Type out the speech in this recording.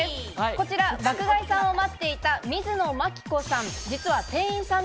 こちら、爆買いさんを待っていた水野真紀子さん。